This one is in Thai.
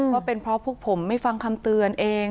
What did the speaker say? ว่าเป็นเพราะพวกผมไม่ฟังคำเตือนเอง